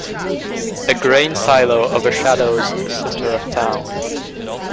A grain silo overshadows the centre of town.